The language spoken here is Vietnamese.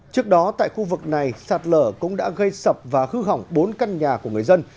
trước đó tại khu vực này sạt lở cũng đã gây sập và hư hỏng bốn căn nhà của người dân